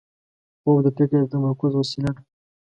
خوب د فکر د تمرکز وسیله ده